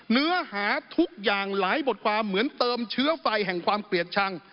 เนื้อหาทุกอย่างหลายบทความเหมือนเติมเชื้อไฟแห่งความเกลียดชัง